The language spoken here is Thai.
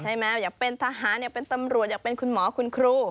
อยากเป็นทหารอยากเป็นตำรวจอยากเป็นคุณหมอคุณครู